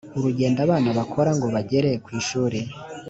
urugendo abana bakora ngo bagere ku ishuri